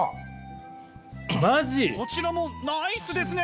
こちらもナイスですね！